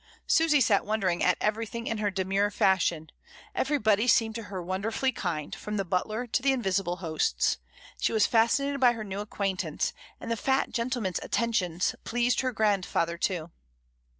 Susy sat wondering at ever3rthing in her demure fashion, everybody seemed to her wonderfully kind, from the butler to the invisible hosts; she was fascinated by her new acquaintance, and the fat gentleman's attentions pleased her grandfather too.